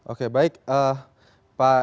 oke baik pak